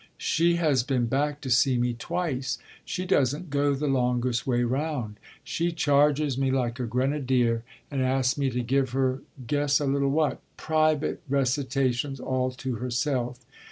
She has been back to see me twice; she doesn't go the longest way round. She charges me like a grenadier and asks me to give her guess a little what! private recitations all to herself.